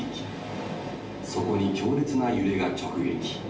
そこに強烈な揺れが直撃。